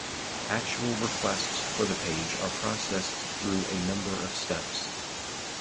Actual requests for the page are processed through a number of steps.